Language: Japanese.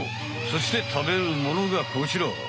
そしてたべるものがこちら。